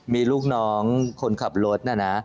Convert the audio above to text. มีลูกน้องคนขับรถนะนะ